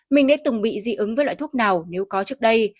mình đã từng bị dị ứng với loại thuốc nào nếu có trước đây